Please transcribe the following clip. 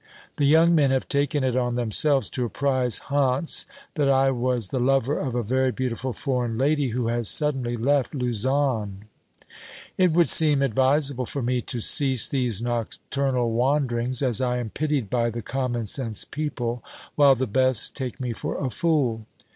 The young men have taken it on themselves to apprise Hantz that I was the lover of a very beautiful foreign lady who has suddenly left Lausanne. It would seem advisable for me to cease these nocturnal wanderings, as I am pitied by the common sense people, while the best take me for a fool.